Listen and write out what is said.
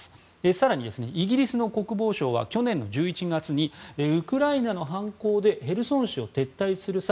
更にイギリスの国防省は去年の１１月にウクライナの反攻でヘルソン市を撤退する際